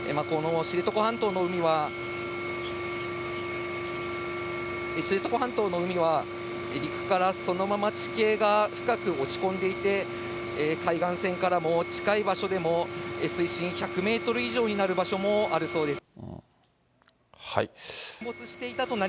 この知床半島の海は、陸からそのまま地形が深く落ち込んでいて、海岸線からも近い場所でも、水深１００メートル以上になる場所もあるそうです。